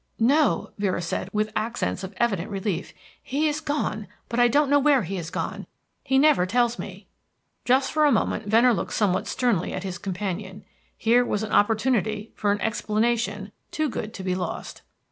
"No," Vera said with accents of evident relief. "He is gone, but I don't know where he is gone. He never tells me." Just for a moment Venner looked somewhat sternly at his companion. Here was an opportunity for an explanation too good to be lost.